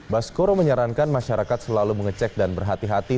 baskoro menyarankan masyarakat selalu mengecek dan berhati hati